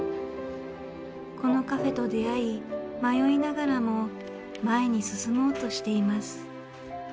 このカフェと出会い迷いながらも前に進もうとしています。